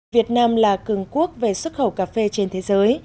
việt nam là cường quốc về xuất khẩu cà phê trên thế giới